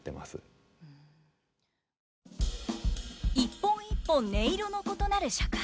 一本一本音色の異なる尺八。